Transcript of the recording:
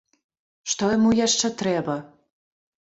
Што яму яшчэ трэба?